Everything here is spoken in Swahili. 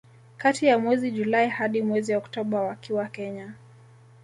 Kati ya mwezi Julai hadi mwezi Oktoba wakiwa Kenya